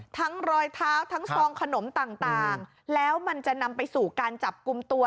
รอยเท้าทั้งซองขนมต่างแล้วมันจะนำไปสู่การจับกลุ่มตัว